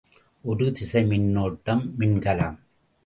ஒரு திசை மின்னோட்டம் மின்கலம்.